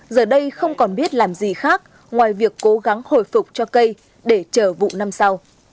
giờ đây không còn biết làm gì khác ngoài việc cố gắng hồi phục cho cây để chờ vụ năm sau